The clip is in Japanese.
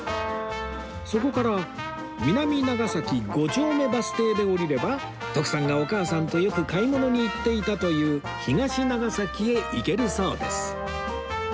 そこから南長崎五丁目バス停で降りれば徳さんがお母さんとよく買い物に行っていたという東長崎へ行けるそうです